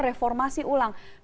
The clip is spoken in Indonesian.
reformasi ulang bukan pembinaan ya